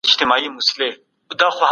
نننی ځوان بايد خپل فکر ته منطق پيدا کړي.